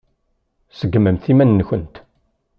Seggmemt iman-nkent.